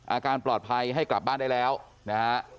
อาการปลอดภัยให้กลับบ้านได้แล้วนะฮะ